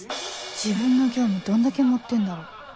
自分の業務どんだけ盛ってんだろう